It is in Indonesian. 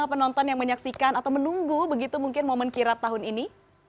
penonton yang menyaksikan atau menunggu begitu mungkin momen kirap tahun ini